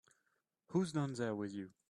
Who's down there with you?